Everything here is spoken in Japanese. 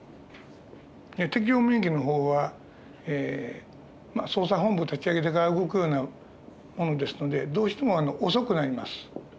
適応免疫の方は捜査本部を立ち上げてから動くようなものですのでどうしても遅くなります。